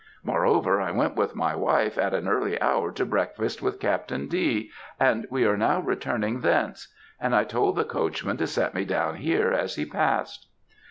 Moreover, I went with my wife at an early hour to breakfast with Captain D., and we are now returning thence; and I told the coachman to set me down here as he passed.'